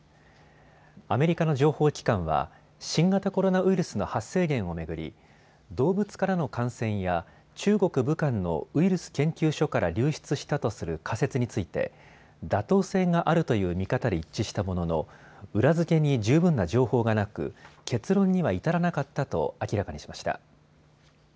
アメリカの情報機関は新型コロナウイルスの発生源を巡り、動物からの感染や中国・武漢のウイルス研究所から流出したとする仮説について妥当性があるという見方で一致したものの裏付けに十分な情報がなく結論には至らなかったと明らかにしました。